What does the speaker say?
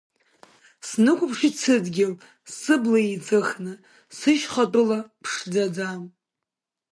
Снықәыԥшит сыдгьыл, сыбла еиҵыхны, сышьхатәыла ԥшӡаӡа.